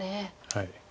はい。